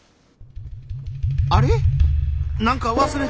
あれ？